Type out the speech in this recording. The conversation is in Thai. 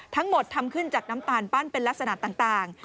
ทั้งหมดทำขึ้นจากน้ำตาลปั้นเป็นลักษณะต่าง